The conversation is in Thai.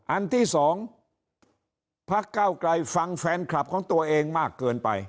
อันที่๒พักเก้าไกลฟังแฟนคลับของตัวเองมากเกินไป